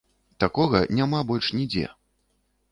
Такога няма больш нідзе.